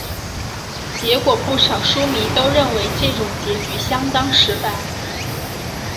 结果不少书迷都认为这种结局相当失败。